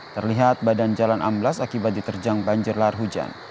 terlihat badan jalan amblas akibat diterjang banjir lahar hujan